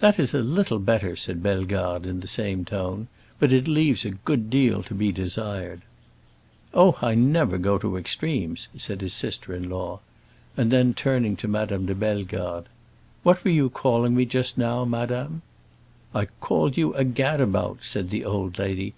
"That is a little better," said Bellegarde in the same tone, "but it leaves a good deal to be desired." "Oh, I never go to extremes," said his sister in law. And then, turning to Madame de Bellegarde, "What were you calling me just now, madame?" "I called you a gad about," said the old lady.